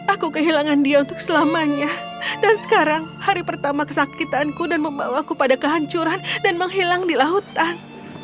aku kehilangan dia untuk selamanya dan sekarang hari pertama kesakitanku dan membawaku pada kehancuran dan menghilang di lautan